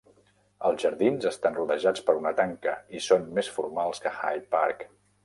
Els jardins estan rodejats per una tanca, i són més formals que Hyde Park.